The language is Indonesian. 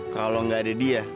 kalau enggak ada dia